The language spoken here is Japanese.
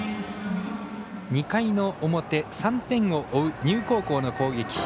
２回の表、３点を追う丹生高校の攻撃。